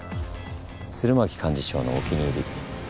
鶴巻幹事長のお気に入り。